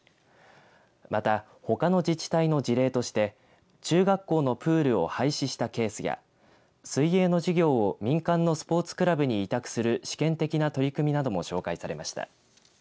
また、ほかの自治体の事例として中学校のプールを廃止したケースや水泳の授業を民間のスポーツクラブに委託する試験的な取り組みなども紹介されました。